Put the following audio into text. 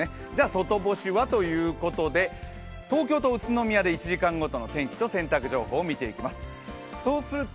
外干しは？ということで東京と宇都宮の１時間ごとの洗濯情報を見ていきます。